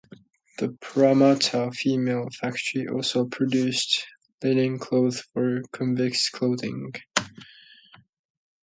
The Parramatta Female Factory also produced linen cloth for convicts’ clothing.